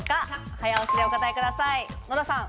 早押しでお答えください。